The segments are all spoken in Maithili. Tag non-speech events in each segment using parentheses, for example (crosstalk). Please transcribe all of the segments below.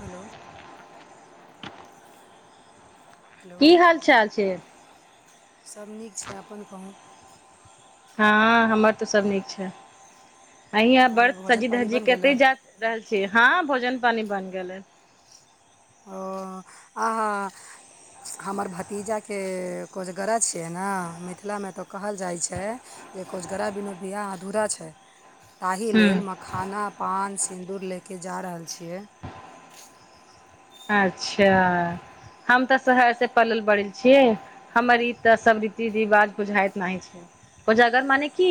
हेलो हेलो की हाल चाल छै सभ नीक छै अपन कहूँ हँ हमर तऽ सभ नीक छै अही आब बड़ आओर भोजन सजी पानि धजी बनि के कतै गेलक जायत रहल छी--हँ भोजन पानी बन गेलै ओ आहा हमर भतीजाके कोजगरा छियै ने मिथिलामे तऽ कहल जाइ छै जे कोजगरा बिनू बियाह अधूरा छै ताहि हूँ लेल मखाना पान सिन्दूर लेँ के जा रहल छियै अच्छा हम तऽ शहर से पलल बड़ल छियै हमर ई तऽ सब रीति रिवाज बुझाइत नाहि छै कोजागर माने की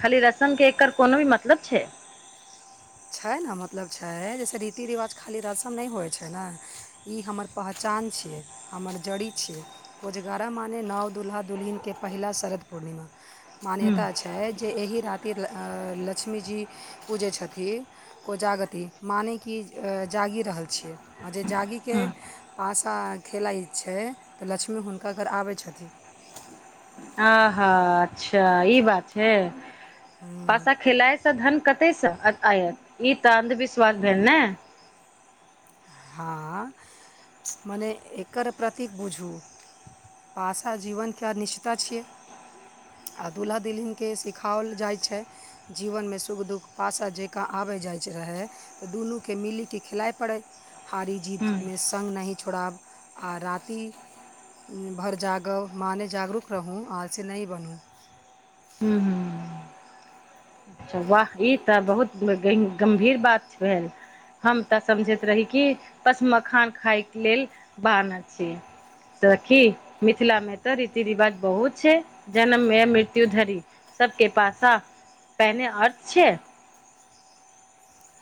खाली रस्म के एकर कोनो भी मतलब छै छै ने मतलब छै जैसे रीति रिवाज खाली रसम नय होइ छै न ई हमर पहचान छियै हमर जड़ी छियै कोजगरा माने नव दुल्हा दुल्हिनके पहिला शरद पूर्णिमा हूँ मान्यता छै जे एहि राति लक्ष्मीजी पूजै छथि कोजागति मानै कि जागि रहल छियै आ जे जागिके हूँ पासा खेलाइत छै तऽ लक्ष्मी हुनका घर आबैत छथि। आहा अच्छा ई बात छै पासा खिलाइ सँ धन कतेसँ आयल ई तऽ अन्धविश्वास भेल नै हँ मने एकर प्रतीक बुझू पासा जीवन के अनिश्चितता छियै आ दुल्हा दूलहिन केँ सिखाओल जाइत छै जीवनमे सुख दुःख पासा जकाँ आबत जाइत रहै तऽ दुनूकेँ मिलि कऽ खिलाइ पड़य हारी जीतमे संग नहि छोड़ब आ राति भर जागब मनेे जागरूक रहू आलसी नहि बनू हूँ हूँ वाह ई तऽ बहुत गहिं गम्भीर बात भेल हम तऽ समझैत रही कि बस मखान खायके लेल बाहाना छीय सखी मिथिला मे तऽ रीति रिवाज बहुत छै जनम से मृत्यु धरि सबके पासा पेने अर्थ छै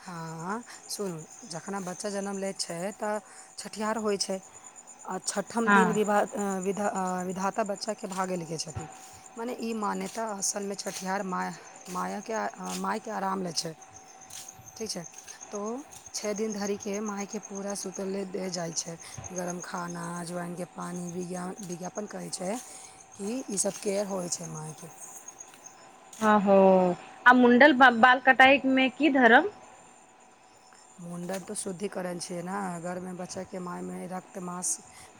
हँ सुनू जखन बच्चा जनम लै छै तऽ छठिहार होइ छै आ छठम हँ दिन विभ विध विधाता बच्चाकेँ भागय लखै छथिन मने ई मान्यता असलमे छटिहार म मायाके मायके आराम लै छै ठीक छै तऽ छओ दिन धरिके माायके पूरा सूतलले दे जाइत छै गरम खाना ज्वइनके पानी विज्ञापन करै छै कि ईसभ केयर होइ छै माइ के ह आ मुंडल बालकटाई मे की धरम मुण्डन तऽ शुद्धिकरण छियै ने अ घरमे बच्चाके मायमे रक्त मास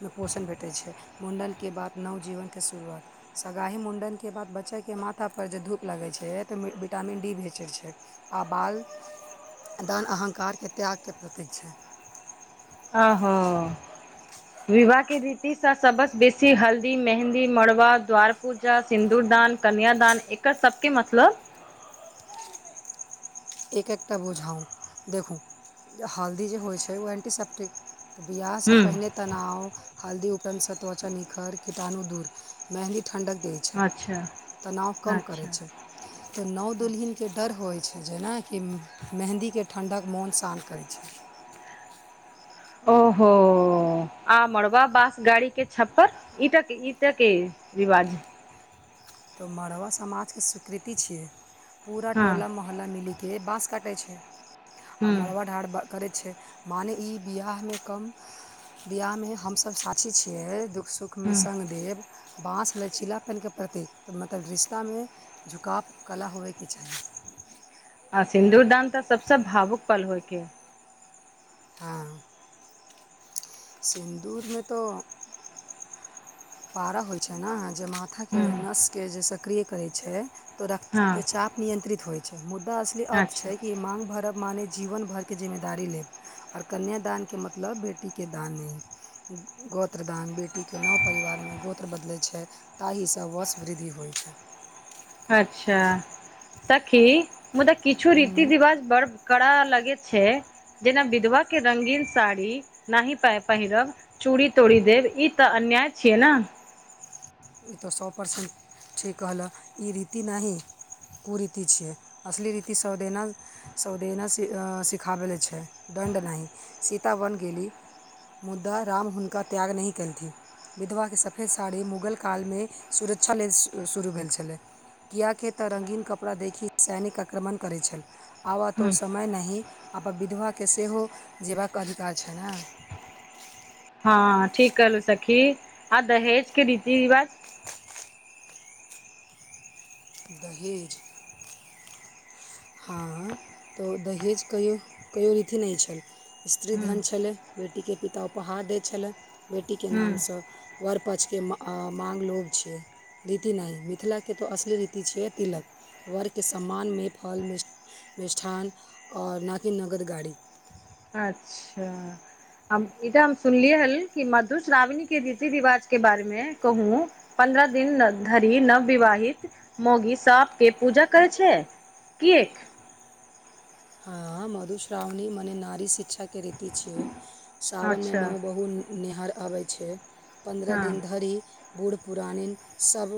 मे पोषण भेटैत छै मुण्डनके बाद नव जीवनके शुरुआत सगाही मुण्डनके बाद बच्चाके माथापर जे धूप लगैत छै तऽ विटामिन डी भेचैत छै आ बाल दान अह्कारके त्यागके प्रतीक छै आहा विवाहके रीतिसँ सबसँ बेसी हल्दी मेहन्दी मड़बा द्वारपूजा सिन्दूरदान कन्यादान एकर सबके मतलब एक एकटा बुझाउ देखू जे हल्दी जे होइत छै ओ एन्टीसेप्टि तऽ बियाहसँ हूँ पहिने तनाव हल्दी उपरधसँ त्वचा निखर कीटाणु दूर मेंहन्दी ठण्डक देत अच्छा तानाव कम अच्छा छे ज नाव दुल्हिन के अच्छा ठडर होइ छै जेनाकि मेहन्दीके ठण्डक मोन शान्त करै छै ओहो आ मड़बा बास गाड़ी के छप्पर ईटा ईटा के रिवाज तो मड़वा समाजके स्वीकृति छियै पूरा हँ टोला मो मोहल्ला मिलीके बाँस काटै छै आओ हूँ मड़बा ढार करै छै माने ई बिआहमे कम बिआाहमे हमसभ साथी छियै दुःख सुखमे हूँ संग देव बाँस भेलचीलापेनके प्रत मतलब रिश्तामे झुकाव कला होयके चाही आ सिन्दूुरदान तऽ सबसे भावुक पल होयके है हँ सिन्दूरमे तो पारा होइ छै ने जे माथाके हूँ नसके जे सक्रिय करै छै तऽ हँ रक्तचाप नियन्त्रित होइ छै मुद्दा असली अर्थ अच्छा छै कि माँग भरब माने जीवन भरिके जिम्मेदार लेब और कन्यादानके मतलब बेटीके दान नहि गोत्र दान बेटीके नव परिवारमे गोत्र बदलै छै ताहिसँ वश वृद्धि होइ छै! अच्छा सखी मुदा किछु रीति छै रिवाज बड़? कड़ा लगैत छै जेना विधवाके रंगीन साड़ी नाही पऽ पहिरब? चूड़ी तोड़ि देब ई तऽ अन्याय छियै ने? ई तऽ सौ परर्सेन्ट, ठीक कहलऽ ई रीति नाहि कु रीति छियै असली रीति सदेना, सवदेना सि सिखाबै के छै दण्ड नाहि सीतावन गेली, मुद्दा राम हुनका त्याग नहि केलथिन विधवा के सफेद साड़ी मुगल, काल मे सुरक्षा लेल शुरू भेल छलै! कियाकी तऽ रङ्गीन कपड़ा देखि सैनिक आक्रमण करैत छल, आबऽ तोऽ ओ समय नाहि आ विधवाके सेहो जीबाक अधिकार छै ने, हँ ठीक कहलू सखी आ दहेज के रीति रिवाज? दहेज, हँ तऽ दहेज कहियो कहियो रीति नहि छै स्त्रीधन हूँ छलय बेटीके पिता उपहार दै छलय बेटीके हुँ नामसँ वर पक्षके मांग लोभ छैै! रीति नहि मिथिला के तो असल रीति छियै तिलक वर के सम्मान मे, फल मि मिष्ठान आओर नाकि नगद गाड़ी, अच्छा हम ईता हम सुनलियै हन कि मधुश्रावणी के रीति रिवाज के बारे मे कहू पन्द्रह दिन धरि नविवाहित मौगी सप के पूजा करै छै। किएक हँ मधुश्रावणी मने नारी शिक्षा के रीति छियै साावनमे अच्छा नव बहु नेहार आबै छै पन्द्रह हँ दिन धरि बूढ़ पुरानिन सभ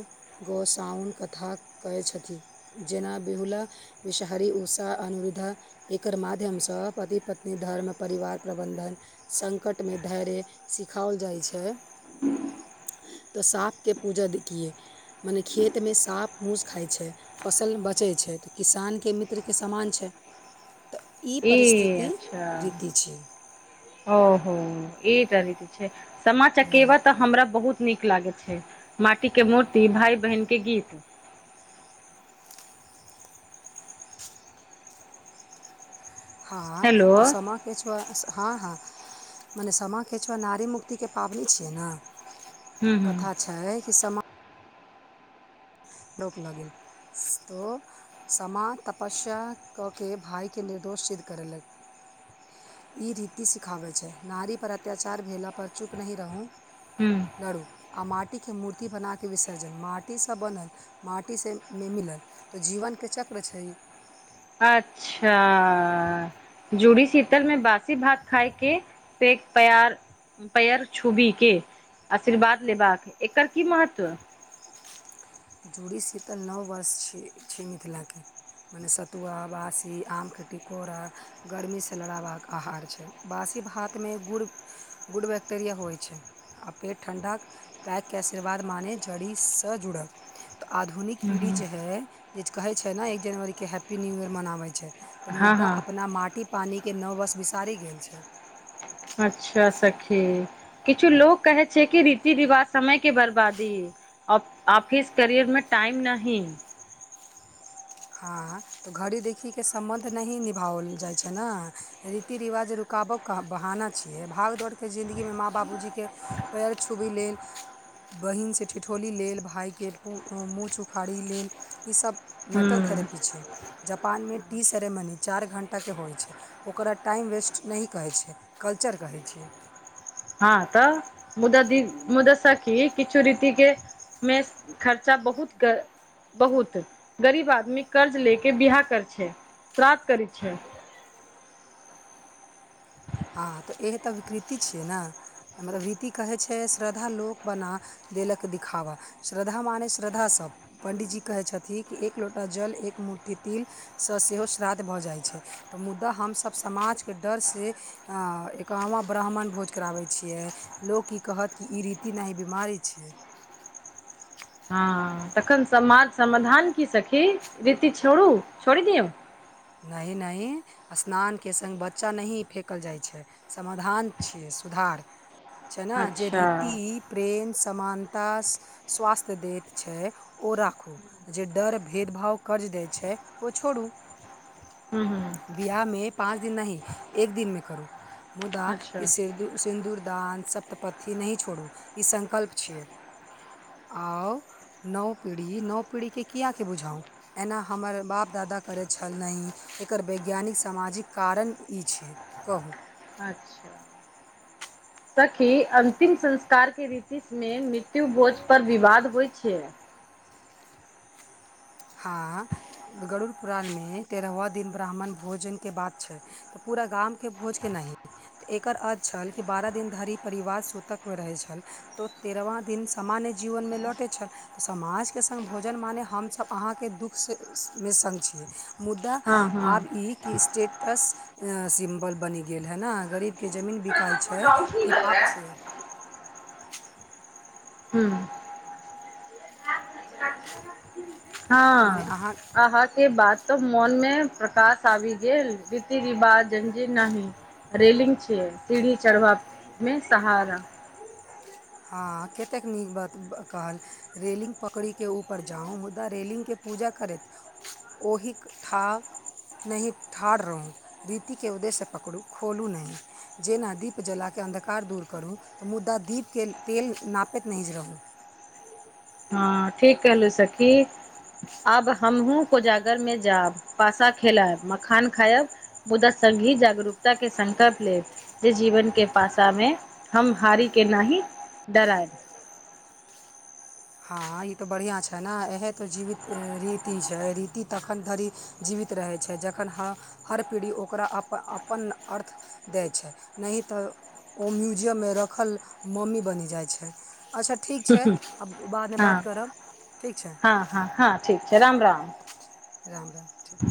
गोसाओन कथा कहै छथिन जेना बिहुला विषहरी उषा अनरुद्धा एकर माध्यमसँ पति पत्नी धर्म परिवार प्रबन्धन संकटमे धैर्य सिखाओल जाइ छै तऽ साँपके पूजा कियै मने खेतमे साँप मूस खाइत छै। फसल बचैत छै तऽ किसानके मित्रके समान छै। तऽ ई परिस्थिति अच्छा रीति छियै ओहो ईटा रीत छै सामा चकेवा तऽ हमरा बहुत नीक लागे छै माटी के मूर्ति भााय बहिन के गीत हँ हेलो तऽ समा किछो हँ हँ मने सामा किछो नारीमुक्तिके पाबनि छियै ने हुँ हुँ कथा छै कि समा दोक लगै इसतो समा तपस्या कऽ के भाइके निर्दोष सिद्ध करेलक ई रीति सिखाबै छै नारी पर अत्याचार भेला पर चुप नहि रहू (unintelligible) लड़ु आ माटिके मूर्ति बनाके विसर्जन माटीसँ बनल माटीसँ मे मिलल तऽ जीवनके चक्र छै अच्छा जूड़ी शीतल में बासी भात खाायके पेक पयार पयर छुबी केँ आशीर्वाद लेबाक एकर की महत्व जूड़ी सीतल नओ वर्ष छै छै मिथिलाकेँ- मने सतुआ बासी आम कऽ टिकोरा गर्मी से लड़बाक आहार छै बासी भात में गुड़ गुड़ बैक्टेरिया होइत छै आ पे ठण्डाक पैकके आशीर्वाद माने जड़ीसँ जुड़ल तऽ आधुनिक पीढ़ी जे हँ है जे कहै छै न एक जनवरीके हैप्पी न्यू ईयर मनाबै छै। तऽ मुद्दा हँ अपना माटि पानीकेँ नववर्ष बिसारि गेल छै अच्छा सखी किछु लोक कहै छै कि रीति रिवाज समय केँ बर्बादी अब आफिस करियर में टाइम नहीं- हँ तऽ घड़ी देखी केँ सम्बन्ध नहीं निभाओल जाइ छै न रीति रिवाज रुकाबक कहब बहाना छियै भागदौड़के जिन्दगीमे माँ बाबूजी केँ पैर छुबी लेल बहिनसँ ठिठौली लेल भाय केँ पु मुँह उखाड़ी लेल ईसभ मेटल हूँ थेरेपी छै जापान में टी सेरेमनी चार घण्टा केँ होइ छै। ओकरा टाइम वेस्ट नही कहैत छै कल्चर कहै छियै। हँ तऽ मुदा दी मुदा सखी किछु रीति केँ में खर्चा बहुत कऽ बहुत गरीब आदमी कर्ज लेके बियाह कर छै श्राद्ध करै छै। हँ तऽ इ तऽ विकृति छियै न हमरा रीति कहै छै श्रद्ध लोक बना देलक देखिखावा श्रद्धा मानै श्रद्धासभ पण्डीजी कहै छथिन कि एक लोटा जल एक मुठ्ठी तिल स सेहो श्राद्ध भऽ जाइत छै तऽ मुदा हमसभ समाज केँ डर से हँ एकाम्हा ब्राह्मण भोज कराबै छियै लोक ई कहत कि ई रीति नै बीमारी छियै। हँ तखन समाज समाधान की सखी रीति छोरु छोड़ि दियौ नहीं नहीं स्नानकेँ संगे बच्चा नहीं फेकल जाइ छै। समाधान छियै सुधार छै न जे अच्छा रीति। प्रेम समानता स्वास्थ्य दैत छै ओ राखू। जे डर भेदभाव कर्ज दै छै ओ छोरु हूँ हूँ बियाह में पाँच दिन नहीं एक दिन में करू मुदा अच्छा कि सिर सिन्दूरदान सप्तपथी नै छोरू ई संकल्प छियै। आओ। नव पीढ़ी नव पीढ़ीक के किया कऽ बुझाउ एना हमर बाप दादा करै छल नहीं एकर वैज्ञानिक सामाजिक कारण ई छै कहू। अच्छ (inaudible) सखी अन्तिम संस्कार केँ रीति। तीसमे मृत्यु भोज पर विवाद होइ छै। हँ गरुड़पुुरणमे तेरहव दिन ब्राह्मण भोजन केँ बात छै। तऽ पूरा गाम केँ भोज केँ नहीं तऽ एकर अर्थ छल कि बारह दिन धरि परिवार सूतक में रहै छल तऽ। तेरहवाँ दिन सामान्य जीवनमे लौटै छल तऽ समाजके संग भोजन माने हमसभ। अहाँके दुःखमे संग छियै मुद्दा हँ आब हँ ई कि स्टेट स सिम्पल बनि गेल है ने गरीब केँ जमीन बिकाइ छै ई पाप छै। (unintelligible) हऽ अहाँ केँ बात। तऽ मोन में प्रकाश आबि गेल रीति रिवा जेनाही। रेलिंग छीे सीढ़ी चढ़वा में सहारा। हँ कतेक नीक बात कहल रेलिंग पकड़िके ऊपर जाउ मुदा रेलिगकेँ पूजा करैत ओहिक ठाक। नहि ठाढ़ रहु रीति के उदय से पकड़ू खोलू नहि। जेना दीप जलाके अन्धकार दूर करू तऽ मुदा दीपके तेल नापैत नहि रहू। हँ ठीक कहलु सखी। अब हमहूँ कोजागर मे जाब पासा खेलाएब मखान खायब। मुदा संगही जागरूकताके संकल्प लेब। जी जीवन के पासामे हम हारी के नाहि डराएब। हँ ई तऽ बढ़ियाँ छै न इहे तऽ जीवित रीति छै रीति तखन धरि जीवित। रहै छै जखन ह हर पीढ़ी ओकरा अपन अर्थ। दै छै नहि तऽ ओ म्युजियममे रखल मम्मी बनि जाइ छै। अच्छा ठीक छै आब बादमे हँ बात। करब ठीक छै हँ हँ ठीक छै राम राम। राम राम ठीक।